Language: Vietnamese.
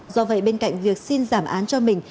do vậy bên cạnh việc xin giảm án cho mình